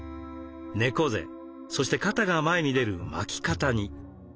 猫背そして肩が前に出る巻き肩に。